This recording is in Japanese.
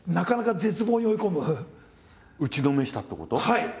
はい。